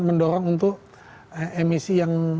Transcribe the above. mendorong untuk emisi